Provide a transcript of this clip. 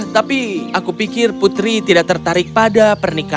tapi aku pikir putri tidak tertarik pada pernikahan